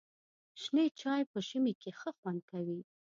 شنې چای په ژمي کې ښه خوند کوي.